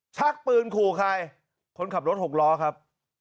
ชักปืนขู่ใครคนขับรถหกล้อครับ